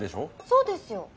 そうですよ。